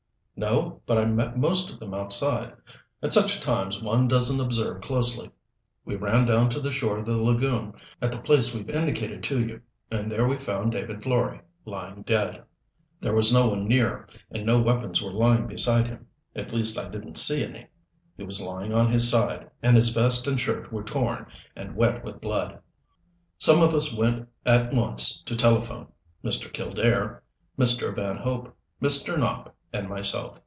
"No, but I met most of them outside. At such times one doesn't observe closely. We ran down to the shore of the lagoon, at the place we've indicated to you, and there we found David Florey, lying dead. There was no one near, and no weapons were lying beside him at least I didn't see any. He was lying on his side, and his vest and shirt were torn and wet with blood. Some of us went at once to telephone Mr. Killdare, Mr. Van Hope, Mr. Nopp and myself.